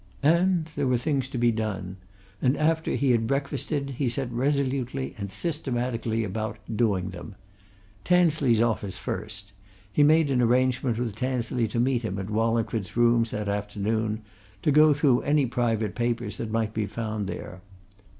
And there were things to be done, and after he had breakfasted he set resolutely and systematically about doing them. Tansley's office first he made an arrangement with Tansley to meet him at Wallingford's rooms that afternoon, to go through any private papers that might be found there.